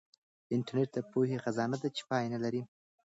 انټرنیټ د پوهې خزانه ده چې پای نه لري.